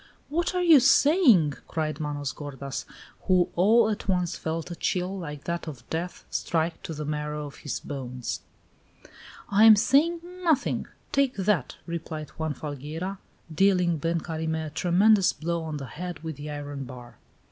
"What are you saying?" cried Manos gordas, who all at once felt a chill, like that of death, strike to the marrow of his bones. "I am saying nothing. Take that!" replied Juan Falgueira, dealing Ben Carime a tremendous blow on the head with the iron bar.